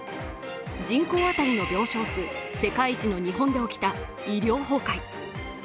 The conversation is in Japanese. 人口当たりの病床数世界一の日本で起きた医療崩壊。